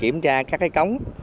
kiểm tra các cái cống